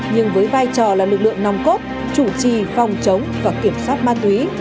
nhưng với vai trò là lực lượng nòng cốt chủ trì phòng chống và kiểm soát ma túy